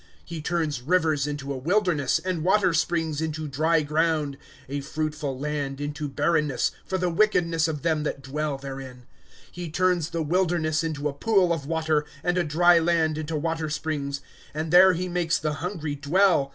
^^ He turns rivers hito a wilderness, And water springs into dry ground ;^* A fruitful land into barrenness, For the wickedness of them that dwell therein. ^^ He turns the wilderness into a pool of water, And a dry land into water springs. ^^ And there he makes the hungry dwell.